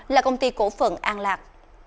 là công ty cổ phận an lạc